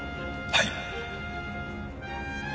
はい。